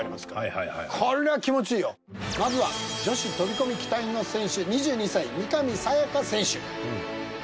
まずは女子飛込期待の選手２２歳三上紗也可選手。